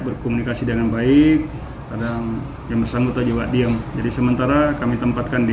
berkomunikasi dengan baik kadang yang bersambut aja wak diem jadi sementara kami tempatkan di